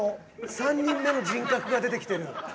３人目の人格が出てきてる。